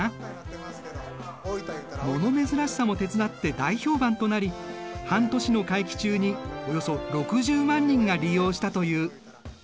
物珍しさも手伝って大評判となり半年の会期中におよそ６０万人が利用したという。